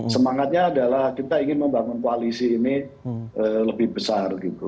semangatnya adalah kita ingin membangun koalisi ini lebih besar gitu